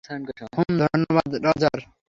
হুমম ধন্যবাদ রজার!